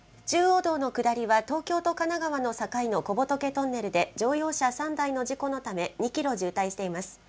中央道の下りは、東京と神奈川の境の小仏トンネルで、乗用車３台の事故のため、２キロ渋滞しています。